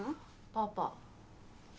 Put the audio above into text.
パパ！